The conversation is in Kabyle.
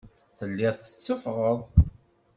Telliḍ tetteffɣeḍ.